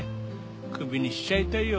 クビにしちゃいたいよ